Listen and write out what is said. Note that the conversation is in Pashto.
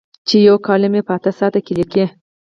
چې یو کالم په اته ساعته کې لیکي.